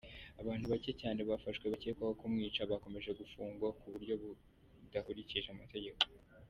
Abantu bake cyane bafashwe bakekwaho kumwica bakomeje gufungwa mu buryo budakurikije amategeko.